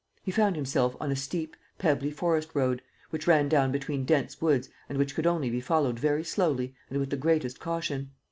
He found himself on a steep, pebbly forest road, which ran down between dense woods and which could only be followed very slowly and with the greatest caution.